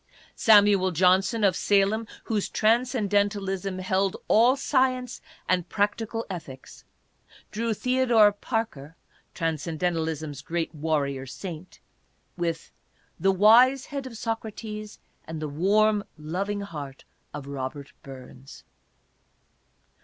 Samuel Johnson, of Salem, whose Transcendentalism held all science and practical ethics, drew Theodore Parker — Transcen dentalism's great warrior saint — with " the wise head of Socrates and the warm, loving heart of Robert Burns."